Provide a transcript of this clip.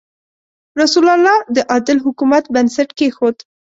رسول الله د عادل حکومت بنسټ کېښود.